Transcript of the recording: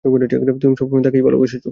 তুমি সবসময় তাকেই ভালোবেসেছ।